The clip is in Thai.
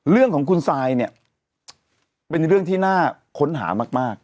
เรื่องของคุณซายเนี่ยเป็นเรื่องที่น่าค้นหามาก